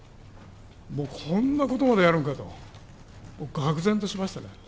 もうこんなことまでやるのかと、がく然としましたね。